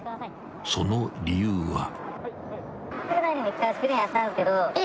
［その理由は］